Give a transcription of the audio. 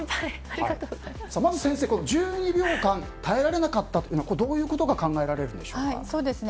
先生、１２秒間耐えられなかったのはどういうことが考えられるんでしょうか。